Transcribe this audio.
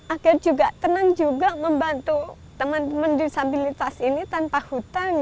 agar juga tenang juga membantu teman teman disabilitas ini tanpa hutang